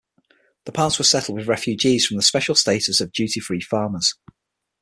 The parts were settled with refugees with the special status of duty-free farmers.